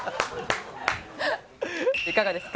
いかがですか？